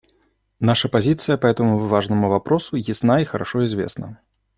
Наша позиция по этому важному вопросу ясна и хорошо известна.